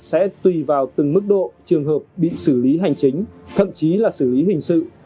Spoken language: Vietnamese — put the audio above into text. sẽ tùy vào từng mức độ trường hợp bị xử lý hành chính thậm chí là xử lý hình sự